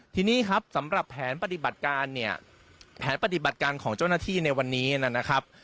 ทีนี้ครับสำหรับแผนปฏิบัติการเนี่ยแผนปฏิบัติการของเจ้าหน้าที่ในวันนี้นะครับ